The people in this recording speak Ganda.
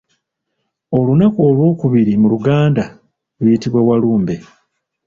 Olunaku olw'okubiri mu luganda luyitibwa Walumbe.